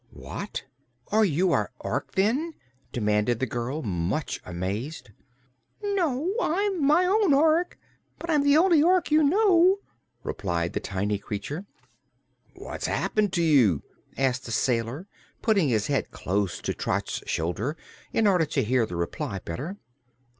"What, are you our Ork, then?" demanded the girl, much amazed. "No, I'm my own Ork. But I'm the only Ork you know," replied the tiny creature. "What's happened to you?" asked the sailor, putting his head close to Trot's shoulder in order to hear the reply better.